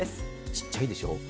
ちっちゃいでしょ。